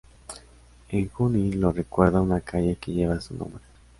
En Junín lo recuerda una calle que lleva su nombre.